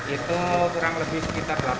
itu kurang lebih sekitar delapan puluh lima gram